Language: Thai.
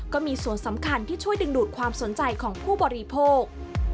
ก็มีส่วนสำคัญที่ช่วยดึงดูดความสนใจของผู้บริโภค